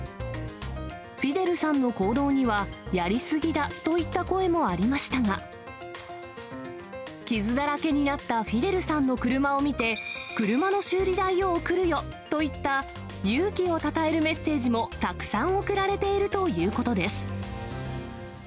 フィデルさんの行動には、やり過ぎだといった声もありましたが、傷だらけになったフィデルさんの車を見て、車の修理代を送るよ！といった、勇気をたたえるメッセージもたくさん送られているということです。